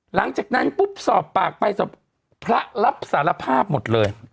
หลังจากนั้นปุ๊บสอบปากไปพระรับสารภาพหมดเลย